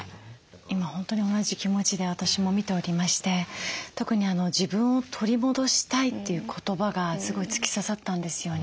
今本当に同じ気持ちで私も見ておりまして特に「自分を取り戻したい」という言葉がすごい突き刺さったんですよね。